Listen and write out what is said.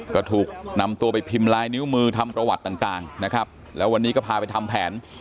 ก็ถูกนำตัวไปพิมพ์ลายนิ้วมือทำประวัติต่างนะครับแล้ววันนี้ก็พาไปทำแผน